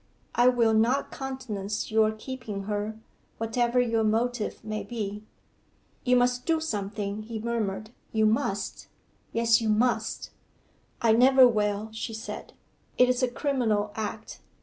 'I will not countenance your keeping her, whatever your motive may be.' 'You must do something,' he murmured. 'You must. Yes, you must.' 'I never will,' she said. 'It is a criminal act.